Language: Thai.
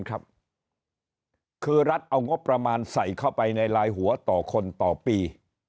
คือรัฐเอางบประมาณใส่เข้าไปในลายหัวต่อคนต่อปี